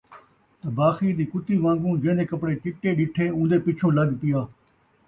طباخی دی کتّی وان٘گوں جین٘دے کپڑے چٹے ݙٹھے اون٘دے پچھوں لڳ پیا